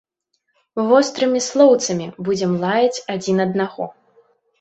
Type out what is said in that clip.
Вострымі слоўцамі будзем лаяць адзін аднаго.